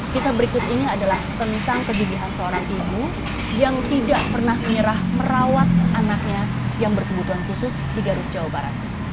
kisah berikut ini adalah tentang kegigihan seorang ibu yang tidak pernah menyerah merawat anaknya yang berkebutuhan khusus di garut jawa barat